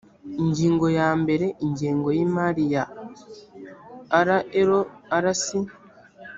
ingingo ya mbere ingengo y imari ya rlrc